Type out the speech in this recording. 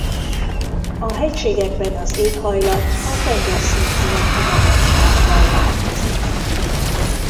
A hegységekben az éghajlat a tengerszint feletti magassággal változik.